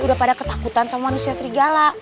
udah pada ketakutan sama manusia serigala